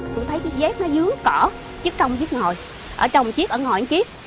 tôi thấy chiếc dép nó dưới cỏ chiếc trong chiếc ngồi ở trong chiếc ở ngoài một chiếc